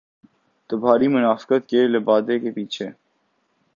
تو بھاری منافقت کے لبادے کے پیچھے۔